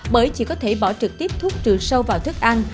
bởi chỉ có thể bỏ trực tiếp thuốc trừ sâu vào thức ăn